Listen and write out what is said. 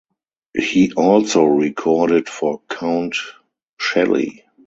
He also recorded for Count Shelley.